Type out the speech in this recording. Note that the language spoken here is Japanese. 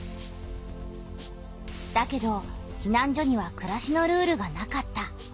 だけどひなん所にはくらしのルールがなかった。